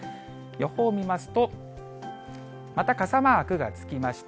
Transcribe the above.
予報見ますと、また傘マークがつきました。